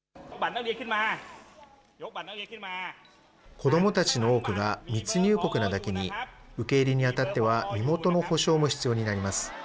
子どもたちの多くが密入国なだけに、受け入れにあたっては、身元の保証も必要になります。